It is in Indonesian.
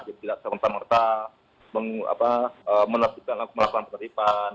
jadi tidak serentak mertak melakukan penertipan